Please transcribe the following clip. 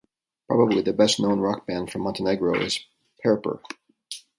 Probably the best known rock band from Montenegro is Perper.